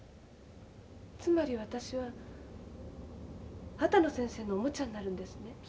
つまり私は秦野先生のおもちゃになるんですね？